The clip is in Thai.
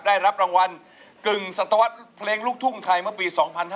ได้รับรางวัลกึ่งสัตวรรษเพลงลูกทุ่งไทยเมื่อปี๒๕๕๙